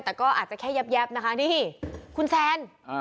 แต่ก็อาจจะแค่แยบนะคะนี่คุณแซน